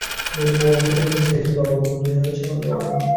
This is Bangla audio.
বলে, বৌ আমাকে ঠেলে ফেলে দিয়েছে বাবা, বৌ নিয়ে হয়েছে আমার মরণ।